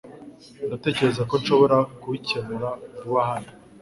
Ndatekereza ko nshobora kubikemura kuva hano .